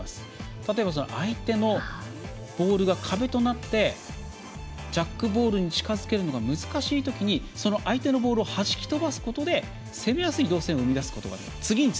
例えば相手のボールが壁となってジャックボールに近づけるのが難しいときにその相手のボールを弾き飛ばすことで攻めやすい動線を生み出すことができる。